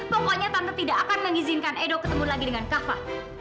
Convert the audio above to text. pokoknya tante tidak akan mengizinkan edo ketemu lagi dengan kava